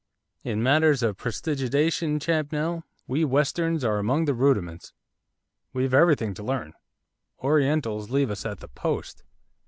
In matters of prestidigitation, Champnell, we Westerns are among the rudiments, we've everything to learn, Orientals leave us at the post.